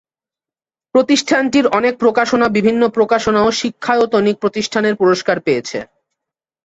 প্রতিষ্ঠানটির অনেক প্রকাশনা বিভিন্ন প্রকাশনা ও শিক্ষায়তনিক প্রতিষ্ঠানের পুরস্কার পেয়েছে।